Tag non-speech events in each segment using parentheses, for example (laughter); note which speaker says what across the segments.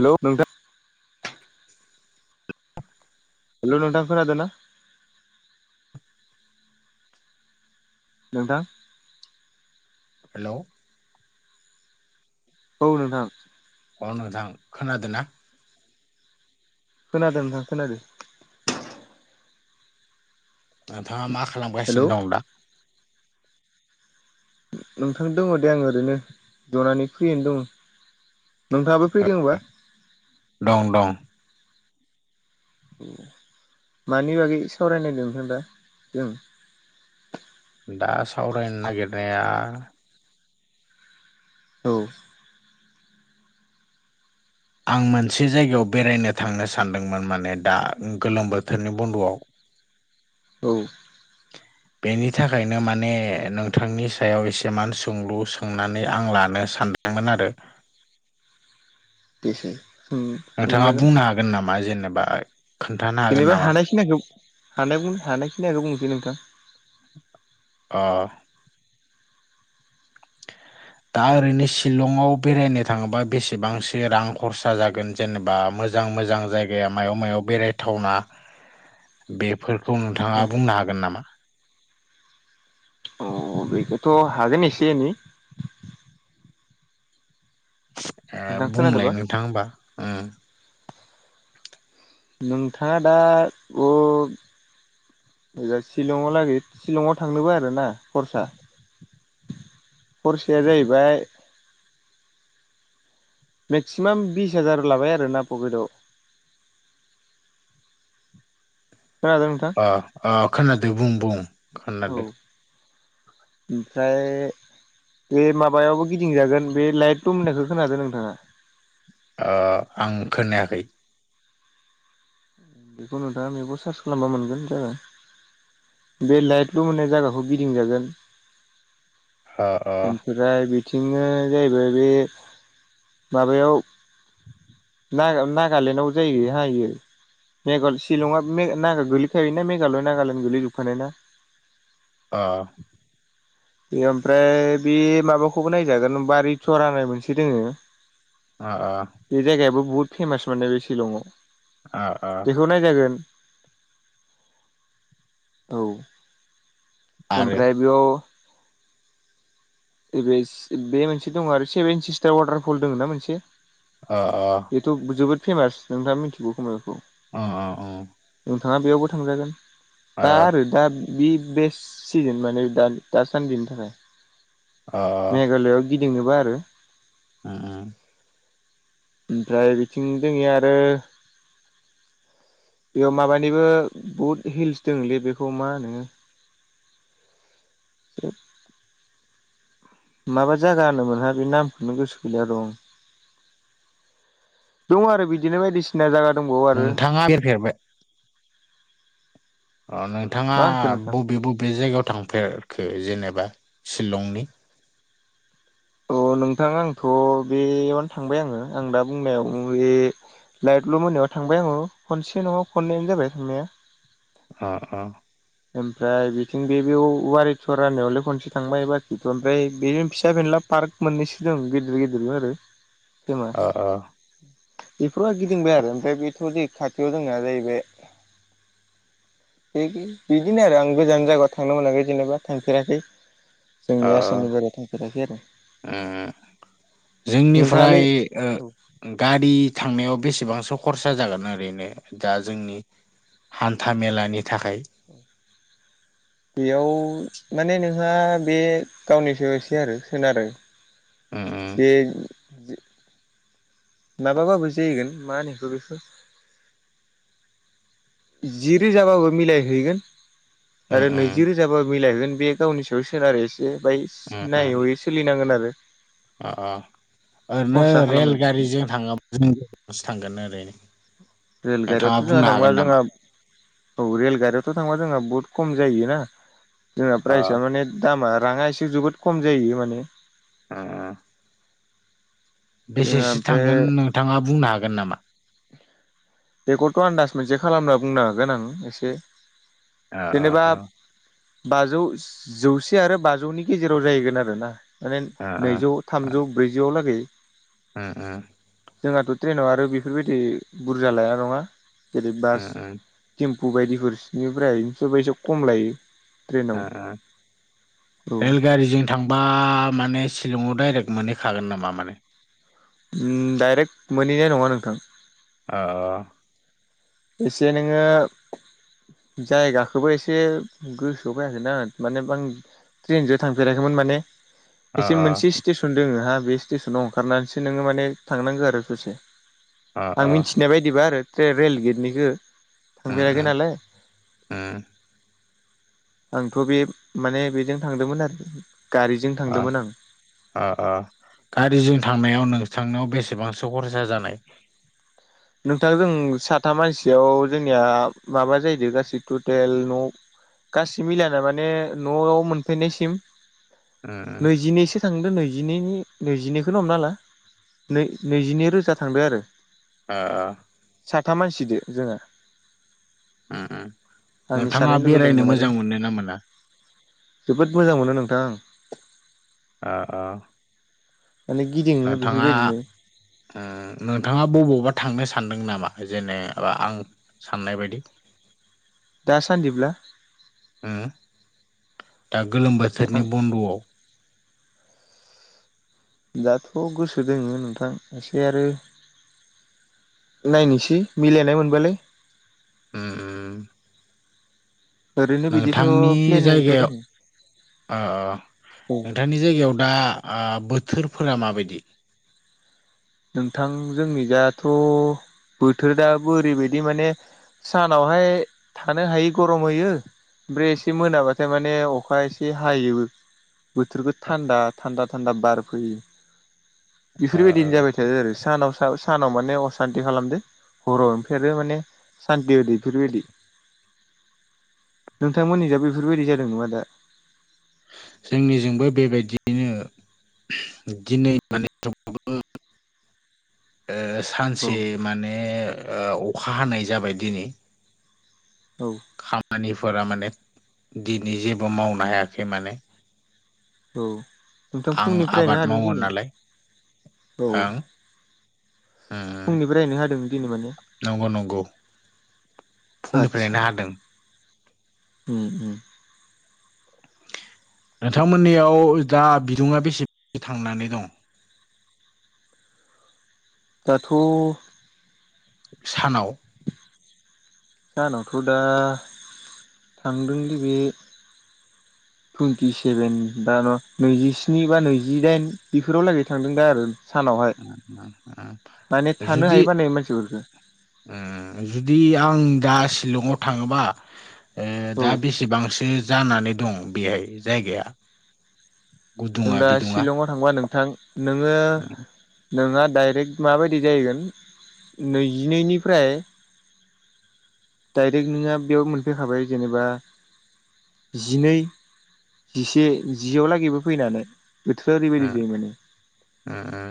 Speaker 1: हेल' नोंथां।
Speaker 2: (unintelligible)
Speaker 1: हेल' नोंथां खोनादोंना? नोंथां।
Speaker 2: हेल'।
Speaker 1: औ नोंथां।
Speaker 2: औ नोंथां खोनादोंना?
Speaker 1: खोनादों नोंथां खोनादों।
Speaker 2: नोंथाङा मा
Speaker 1: हेलौ
Speaker 2: खालामगासिनो दं दा?
Speaker 1: नोंथां दङ दे आं ओरैनो जनानै फ्रियैनो दङ। नोंथाङाबो फ्रि दंबा?
Speaker 2: दं दं।
Speaker 1: मानि बागै सावराय नायदों होनबा जों।
Speaker 2: दा सावरायनो नागिरनाया
Speaker 1: औ।
Speaker 2: आं मोनसे जायगायाव बेरायनो थांनो सानदोंमोन माने दा गोलोम बोथोरनि बन्द'आव
Speaker 1: औ।
Speaker 2: बेनि थाखायनो माने नोंथांनि सायाव एसे माने सोंलु सोंनानै आं लानो सानदों। थांगोन आरो।
Speaker 1: बेसे
Speaker 2: नोंथाङा बुंनो हागोन नामा जेनेबा खोन्थानो हागोन
Speaker 1: जेनेबा
Speaker 2: नामा
Speaker 1: हानायखिनिखौ हानाय हानायखिनिखौ बुंनोसै नोंथां।
Speaker 2: औ। दा ओरैनो शिलंआव बेरायनो थाङोबा बेसेबांसो रां खरसा जागोन जेनेबा मोजां मोजां जायगाया मायाव मायाव बेरायथावना
Speaker 1: (inaudible)
Speaker 2: बेफोरखौ नोंथाङा
Speaker 1: औ
Speaker 2: बुंनो हागोन नामा?
Speaker 1: बेखौथ' हागोन एसे एनै नोंथां
Speaker 2: बुंलाय
Speaker 1: खोनादोंबा
Speaker 2: नोंथां होमबा।
Speaker 1: नोंथाङा दा अ शिलं लागै शिलंआव थांनोबो आरोना खरसा खरसाया जाहैबाय मेक्सिमाम बिस हाजार लाबाय आरो ना पकेटाव खोनादों
Speaker 2: अ अ खोनादो बुं बुं
Speaker 1: औ
Speaker 2: खोनादो।
Speaker 1: ओमफ्राय बे माबायावबो गिदिंजागोन बे लाइटलुम होननायख खोनादों नोंथाङा?
Speaker 2: आं खोनायाखै
Speaker 1: बेखौ नोंथाङा मबाइलाव बेखौ सार्च खालामबा मोनगोन जाबाय। बे लाइटल' होननाय जायगाखौ गिदिंजागोन
Speaker 2: अ अ
Speaker 1: ओमफ्राय बिथिंनो जाहैबाय बे माबायाव नागालेण्डआव जाय गै हायो मेघाल शिलं गोल्लैखाय ना मेघालय नागालेण्ड गोलैजोबखानाय ना।
Speaker 2: अ
Speaker 1: बे ओमफ्राय बे माबाखौबो नायजागोन बारि थरानाय मोनसे दोङो।
Speaker 2: अ अ
Speaker 1: बे जायगायाबो बुहुत फेमास मोननाय बे लंआव
Speaker 2: ओ ओ
Speaker 1: बेखौ नायजागोन औ
Speaker 2: आरो
Speaker 1: ओमफ्राय बेयाव बे मोनसे दङ आरो सेभेन सिस्टार वाटारफल दङ ना मोनसे
Speaker 2: अ अ
Speaker 1: बेथ' जोबोद फेमास नोंथाङा मिथिगौ खोमा बेखौ
Speaker 2: अ अ अ
Speaker 1: नोंथाङा बेयावबो थांजागोन दा आरो
Speaker 2: अ
Speaker 1: दा बे बेस्ट सिजोन माने दा दासान्दिनि थाखाय
Speaker 2: ओ
Speaker 1: मेघालआव गिदिंनोबा आरो।
Speaker 2: उम उम
Speaker 1: ओमफ्राय बिथिं जोंनि आरो बेयाव माबानिबो बहुद हिल्स दङलै बेखौ मा होनो। औ माबा जायगा होनोमोनहा बे नामखौनो गोसो गैया दं दङ आरो बिदिनो बायदिसिना जागा दंबावो आरो।
Speaker 2: आबाय (unintelligible) अ नोंथाङा
Speaker 1: मा होनखो नोंथां
Speaker 2: बबे बबे जायगायाव थांफेरखो जेनेबा सिलंनि--?
Speaker 1: अ नोंथां आंथ' बेयावनो थांबाय आङो आं दा बुंनायाव बे लाइट ल' मोनायाव थांबाय आङो खनसे नङआव खनैयानो जाबाय थांनाया
Speaker 2: अ अ
Speaker 1: ओमफ्राय बिथिं बे बे औवारि थर राननायावलाय खनसे थांबाय बाखिथ' ओमफ्राय बेनो फिसा फेनला पार्क मोननैसो दों गिदिर गिदिरबो आरो
Speaker 2: अ
Speaker 1: फेमास बेफोर गिदिंबाय आरो ओमफ्राय बेथ' ज खाथियाव जोंना जाहैबाय बिदिनो आरो आं गोजान जायगायाव थांनो मोनाखै जेनेबा थांफेराखै
Speaker 2: अ
Speaker 1: जोंनि आसामनि
Speaker 2: अ
Speaker 1: गोरयाव थांफेराखै आरो।
Speaker 2: उम
Speaker 1: नोंथाङालाय
Speaker 2: जोंनिफ्राय
Speaker 1: औ
Speaker 2: गारि थांनायाव बेसेबांसो खरसा जागोन ओरैनो दा जोंनि हान्था मेलानि थाखाय
Speaker 1: औ (inaudible) बेयाव माने नोंहा बे गावनिसो एसे आरो सोनारो
Speaker 2: उम
Speaker 1: जे माबाबाबो जाहैगोन मा होनोखौ बेखौ जि रोजाबाबो मिलायहैगोन
Speaker 2: उम
Speaker 1: आरो नैजि रो जाबा मिलायहोगोन बे गावनि सायाव सोनारो एसे माय
Speaker 2: उम
Speaker 1: नायै
Speaker 2: उम
Speaker 1: हयै सोलिनांगोन आरो।
Speaker 2: अ अ ओरैनो
Speaker 1: खरसा खालामनायफोरखौ
Speaker 2: रेलगारिजों थाङोब्ला जोंनो थांगोन ओरैनो
Speaker 1: रेल गारियाथ'
Speaker 2: नोंथाङा
Speaker 1: जोंहा
Speaker 2: बुंनो
Speaker 1: थांबा
Speaker 2: हागोन नामा
Speaker 1: जोंहा औ रेलगारियावथ' थांबा जोंहा बहुत खम जायोना जोंना
Speaker 2: अ
Speaker 1: प्राइसआ माने दामा राङा एसे जोबोद खम जायो माने।
Speaker 2: अ
Speaker 1: जोंहा
Speaker 2: बेसेसो
Speaker 1: ओमफ्राय
Speaker 2: थांगोन नोंथाङा बुंनो हागोन नामा?
Speaker 1: बेखौथ' आन्दाज मोनसे खालामना बुंनो हागोन आं एसे
Speaker 2: अ अ
Speaker 1: जेनेबा
Speaker 2: अ
Speaker 1: बाजौ जौसे आरो बाजौनि गेजेराव जाहैगोन आरोोना माने
Speaker 2: अ
Speaker 1: नैजौ थामजौ ब्रैजिआव लागै
Speaker 2: ओ ओ ।
Speaker 1: जोंहाथ' ट्रेनाव आरो बेफोरबायदि बुरजा लाया नङा जेरै
Speaker 2: उम
Speaker 1: बास
Speaker 2: उम
Speaker 1: थेम्पु बायदिफोरनिफ्राय सोरबा एसे खम लायो ट्रेनाव
Speaker 2: आं
Speaker 1: औ
Speaker 2: रेलगारिजों थांबा माने शिलंआव डाइरेक्ट मोनहैखागोन नामा माने
Speaker 1: उ डाइरेक्ट मोनहैनाय नङा नोंथां।
Speaker 2: आह
Speaker 1: एसे नोङो जायगाखौबो एसे गोसोआव फैयाखैना माने बां ट्रेनजों थांफेराखैमोन माने
Speaker 2: अ
Speaker 1: एसे मोनसे स्टेसन दङ ह बे स्टेसनाव ओंखारनानैसो नोङो माने थांनांगौ आरो ससे आं
Speaker 2: अ अ
Speaker 1: मिथि नाय बायदिबा आरो रेल गेटनिखौ
Speaker 2: उम
Speaker 1: थांफेराखै नालाय
Speaker 2: उम
Speaker 1: आंथ' बे माने बेजों थांदोंमोन आरो गारिजों थांदोंमोन आं
Speaker 2: आं गारिजों थांनायाव नोंथांनाव बेसेबांसो खरसा जानाय?
Speaker 1: नोंथां जों साथाम मानसियाव जोंनिया माबा जाहैदों गासै टटेल न' गासि मिलायना माने न'आव मोनफैनायसिम
Speaker 2: ओ
Speaker 1: नैजिनैसो थांदो नैजिनैनि नैजिनैखौनो हमना ला नैजिनै रोजा थांदो आरो।
Speaker 2: अ
Speaker 1: साथा मानसिदो जोङो
Speaker 2: ओ
Speaker 1: आंनि सानै
Speaker 2: नोंथाङा
Speaker 1: लोगो
Speaker 2: बेरायनो
Speaker 1: दंमोन आरो
Speaker 2: मोजां मोनो ना मोना?
Speaker 1: जोबोद मोजां मोनो नोंथां।
Speaker 2: अ अ
Speaker 1: मान गिदिर
Speaker 2: नोंथाङा ओ नोंथाङा बबावबा थांनो सानदों नामा जेनेबा आं साननाय बायदि
Speaker 1: दासान्दिब्ला
Speaker 2: उम दा गोलोम
Speaker 1: थां
Speaker 2: बोथोरनि बन्द'आव
Speaker 1: दाथ' गोसो दोङो नोंथां एसे आरो नायनोसै मिलायनाय मोनबालाय
Speaker 2: उ उ उ
Speaker 1: ओरैनो बिदिथ'
Speaker 2: नोंथांनि
Speaker 1: प्लेनिंथ'
Speaker 2: जायगायाव
Speaker 1: दोङो
Speaker 2: ओ
Speaker 1: औ
Speaker 2: नोंथांनि जायगायाव दा आ बोथोरफोरा माबायदि
Speaker 1: नोंथां जोंनि दाथ' बोथोर दाबो ओरैबायदि माने सानावहाय थानो हायि गरम होयो ओमफ्राय एसे मोनाबाथाय माने अखा एसे हायोबो बोथोरखौ थान्दा थान्दा थान्दा बारफैयो
Speaker 2: ओ ओ
Speaker 1: बेफोरबायदिनो जाबाय ओै सानाव सानाव माने असान्थि खालामदो हराव ओमफ्राय आरो माने सान्थि बदै बेफोरबायदि नोंथांमोननि द बेफोरबायदि जादों नामा दा
Speaker 2: जोंनिजोंबो बेबायदियैनो दिनै माने समावबो
Speaker 1: औ
Speaker 2: सानसे माने अखा हानाय जाबाय दिनै
Speaker 1: औ।
Speaker 2: खामानिफोरा माने दिनै जेबो मावनो हायाखै माने
Speaker 1: औ नोंथां
Speaker 2: आं
Speaker 1: फुंनिफ्रायनो
Speaker 2: आबाद
Speaker 1: हादों
Speaker 2: मावो
Speaker 1: दिनै
Speaker 2: नालाय
Speaker 1: औ
Speaker 2: उ
Speaker 1: फुंनिफ्रायनो हादों दिनै माने
Speaker 2: नंगौ नंगौ। फुंनिफ्रायनो हादों
Speaker 1: उ उ
Speaker 2: नोंथांमोननियाव दा बिदुङा बेसे थांनानै दं
Speaker 1: दाथ'
Speaker 2: सानाव
Speaker 1: सानावथ' दा थांदोंलै बे टुइन्टि सेभेन दा न' नैजिस्नि बा नैजिदाइन बेफोराव लागै थांदों दा आरो सानावहाय माने थानो हायोबा नै मानसिफोरखौ
Speaker 2: उ जुदि आं दा सिलंआव थाङोबा
Speaker 1: औ
Speaker 2: दा बेसेबांसो जानानै दं बेहाय जायगाया
Speaker 1: नों
Speaker 2: गुदुङा
Speaker 1: दा
Speaker 2: बिदुङा
Speaker 1: शिलंआव थांबा नोंथां नोङो नोंहा डाइरेक्ट माबायदि जाहैगोन नैजिनैनिफ्राय डाइरेक्ट नोंङा बेयाव मोनफैखाबाय जेनेबा जिनै जिसे जियाव लागैबो फैनो हानाय बोथोरा ओरैबायदि जायो माने
Speaker 2: ओ ओ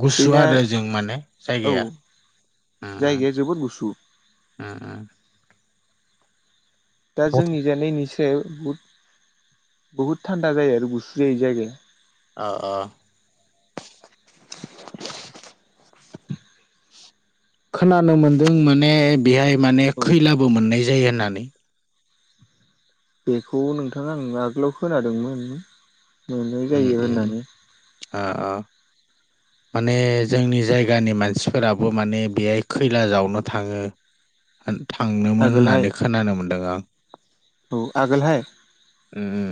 Speaker 2: गुसु
Speaker 1: बेना
Speaker 2: आरो होजों माने
Speaker 1: औ
Speaker 2: जायगाया ओ ओ
Speaker 1: जायगाया जोबोद गुसु
Speaker 2: ओ ओ
Speaker 1: दा जोंनि जानायनि सायाव बहुद बुहुद थान्दा जायो आरो गुसु जायो जायगाया
Speaker 2: अ अ (unintelligible) खोनानो मोन्दों माने बेहाय माने
Speaker 1: औ
Speaker 2: खैलाबो मोननाय जायो होननानै
Speaker 1: बेखौ नोंथाङा आं आगोलाव खोनादोंमोन मोननाय जायो होननानै
Speaker 2: अ अ माने जोंनि जायगानि मानसिफोराबो माने बेहाय खैला जावनो थाङो।
Speaker 1: (unintelligible)
Speaker 2: थांनोमोन
Speaker 1: आगोलहाय
Speaker 2: होननानै खोनानो मोनदों आं
Speaker 1: औ आगोलहाय
Speaker 2: उम उम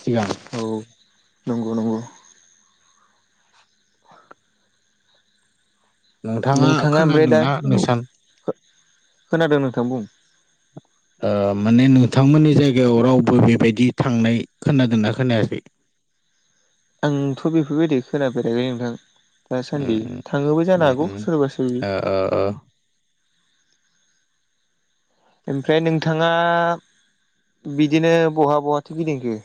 Speaker 2: सिगां
Speaker 1: औ नंगौ नंगौ नोंथाङा ओमफ्राय दा
Speaker 2: खोनादोंना
Speaker 1: औ
Speaker 2: नोंसान
Speaker 1: खोनादों नोंथां बुं
Speaker 2: ओ माने नोंथांमोननि जायगायाव रावबो बेबायदि थांनाय खोनादोंना खोनायाखै
Speaker 1: आंथ' बेफोरबायदि खोनाफेराखै नोंथां दासान्दि
Speaker 2: उम
Speaker 1: थाङोबो जानो
Speaker 2: उम
Speaker 1: हागौ
Speaker 2: उम
Speaker 1: सोरबा सोरबि
Speaker 2: ओ ओ
Speaker 1: ओमफ्राय नोंथाङा बिदिनो बहा बहाथो गिदिंखो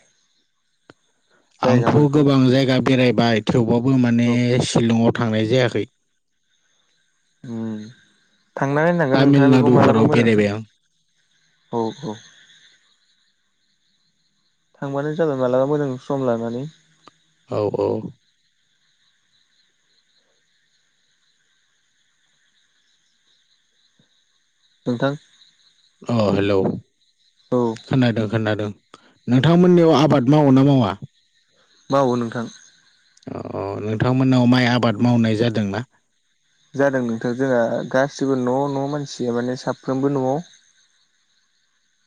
Speaker 2: आंथ'
Speaker 1: जायगाफोरखौ
Speaker 2: गोबां जायगा बेरायबाय थेवबाबो
Speaker 1: औ
Speaker 2: माने शिलंआव थांनाय जायाखै
Speaker 1: उम थांना नायनांगोन नोंथाङा बेखौ मालाबा
Speaker 2: तामिलनाडुफोराव
Speaker 1: मोजां सों
Speaker 2: बेरायबाय आं
Speaker 1: औ औ थांबानो जाबाय मालाबा मोजां सम लानानै
Speaker 2: औ औ
Speaker 1: नोंथां
Speaker 2: अ हेल'
Speaker 1: औ
Speaker 2: खोनादों खोनादों। नोंथांमोननियाव आबाद मावो ना मावा?
Speaker 1: मावो नोंथां।
Speaker 2: अ नोंथांमोनाव माइ आबाद मावनाय जादोंना?
Speaker 1: जादों नोंथां जोंहा गासिबो न' न' मानसिया माने साफ्रोमबो न'आव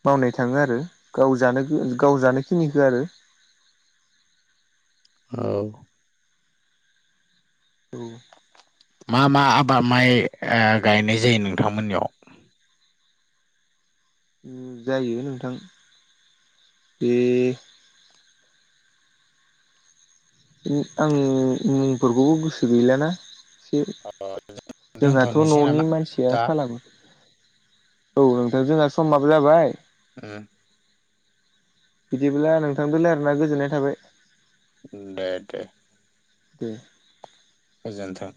Speaker 1: मावनाय थाङो आरो गाव जानो गाव जानोखिनिखौ आरो
Speaker 2: औ
Speaker 1: औ
Speaker 2: मा मा आबाद माइ ओ गायनाय जायो नोंथांमोननियाव
Speaker 1: उ जायो नोंथां बे आंनि मुंफोरखौबो गोसो गैलाना एसे जोंहाथ'
Speaker 2: दोनथ'नोसै
Speaker 1: न'नि
Speaker 2: नामा
Speaker 1: मानसिया
Speaker 2: दा
Speaker 1: खालामो औ नोंथां जोंहा समाबो जाबाय
Speaker 2: उम
Speaker 1: बिदिब्ला नोंथांजों रायलायना गोजोननाय थाबाय।
Speaker 2: दे दे
Speaker 1: दे
Speaker 2: गोजोनथों।